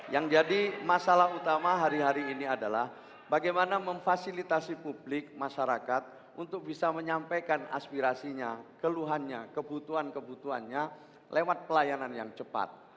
yang jadi masalah utama hari hari ini adalah bagaimana memfasilitasi publik masyarakat untuk bisa menyampaikan aspirasinya keluhannya kebutuhan kebutuhannya lewat pelayanan yang cepat